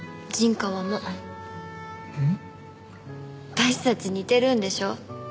私たち似てるんでしょ？